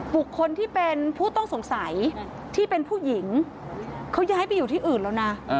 บุคคลที่เป็นผู้ต้องสงสัยที่เป็นผู้หญิงเขาย้ายไปอยู่ที่อื่นแล้วนะ